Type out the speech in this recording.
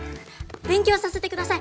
勉強させてください。